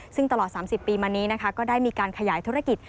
ซึ่งตลอด๓๐ปีมานี้นะคะก็ได้มีการขยายธุรกิจ